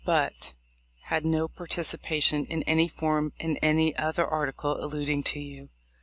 but had no participation in any form in any other article allud ing to you.